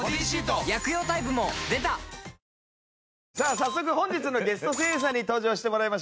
早速本日のゲスト声優さんに登場してもらいましょう。